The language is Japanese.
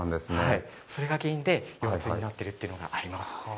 それが原因で、腰痛になっているというのがあります。